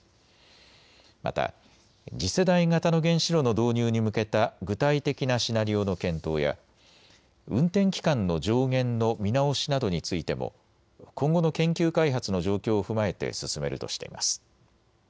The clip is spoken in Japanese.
また次世代型の原子炉の導入に向けた具体的なシナリオの検討や運転期間の上限の見直しなどについても今後の研究開発の状況を踏まえて進めるとしてます。